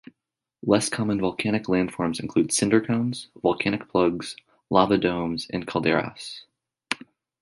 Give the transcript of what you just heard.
Less common volcanic landforms include cinder cones, volcanic plugs, lava domes and calderas.